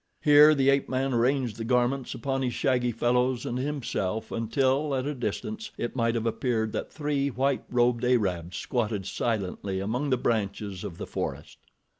Here the ape man arranged the garments upon his shaggy fellows and himself, until, at a distance, it might have appeared that three white robed Arabs squatted silently among the branches of the forest.